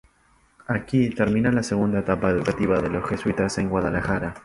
Aquí termina la segunda etapa educativa de los jesuitas en Guadalajara.